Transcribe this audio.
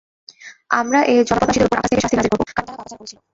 আমরা এই জনপদবাসীদের উপর আকাশ থেকে শাস্তি নাযিল করব, কারণ তারা পাপাচার করেছিল।